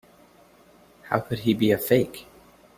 How could he be a fake?